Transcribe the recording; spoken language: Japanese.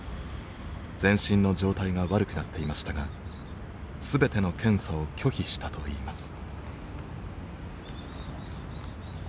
全身の状態が悪くなっていましたが全ての検査を拒否したといいます。